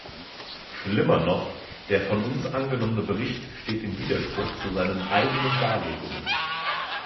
Schlimmer noch, der von uns angenommene Bericht steht im Widerspruch zu seinen eigenen Darlegungen.